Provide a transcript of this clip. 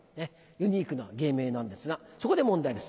ユニークな芸名なんですがそこで問題です。